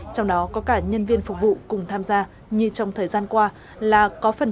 trong đó có cả nhân viên phục vụ cùng tham gia như trong thời gian qua là có phần